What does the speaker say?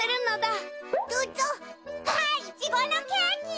あイチゴのケーキ！